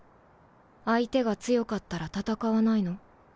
相手が強かったら戦わないの？